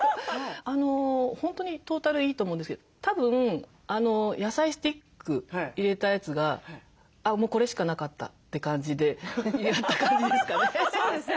本当にトータルいいと思うんですけどたぶんあの野菜スティック入れたやつがもうこれしかなかったって感じでやった感じですかね？